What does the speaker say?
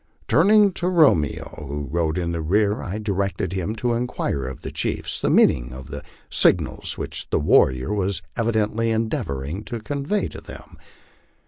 Turning to Romeo, who rode in rear, I directed him to inquire of the chiefs the meaning of the signals which the warrior was evidently endeavoring to convey to them.